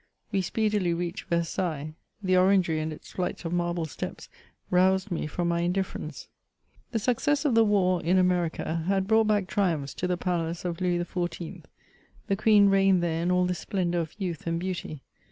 We speedily reached Versailles; the orangery and its flights of marble steps, roused me from my indifference. The success of the war in America had CHATEAUBRIAND. 151 brought back triumphs to the palace of Louis XIV ; the Queen reigned there in all the splendour of youth and beauty.